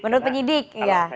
menurut penyidik ya